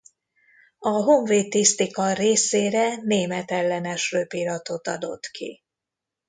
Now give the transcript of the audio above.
A honvéd tisztikar részére németellenes röpiratot adott ki.